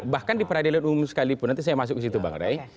bahkan di peradilan umum sekalipun nanti saya masuk ke situ bang ray